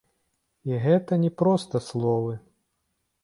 І гэта не проста словы.